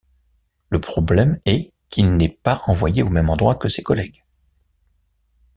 Le problème est qu'il n'est pas envoyé au même endroit que ses collègues.